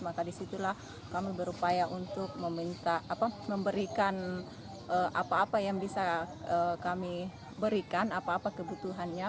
maka disitulah kami berupaya untuk memberikan apa apa yang bisa kami berikan apa apa kebutuhannya